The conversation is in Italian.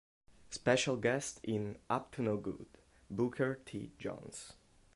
Special guest in "Up to No Good" Booker T. Jones.